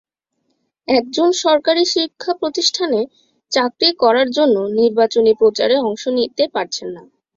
একজন সরকারি শিক্ষাপ্রতিষ্ঠানে চাকরি করার জন্য নির্বাচনী প্রচারে অংশ নিতে পারছেন না।